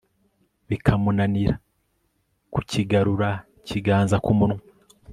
bikamunanira kukigarura ikiganza ku munwa